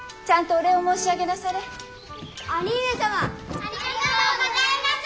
ありがとうございまする！